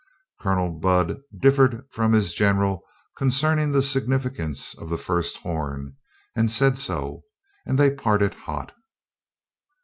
Colonel Budd differed from his general concerning the significance of the first horn, said so and they parted hot.